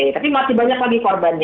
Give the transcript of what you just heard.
tapi masih banyak lagi korbannya